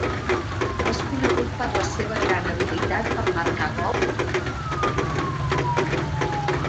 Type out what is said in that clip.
És conegut per la seva gran habilitat per marcar gols i fer cops de cap.